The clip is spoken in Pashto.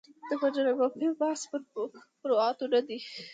د مډرن فهم بحث پر فروعاتو نه دی.